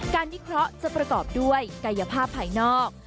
วิเคราะห์จะประกอบด้วยกายภาพภายนอก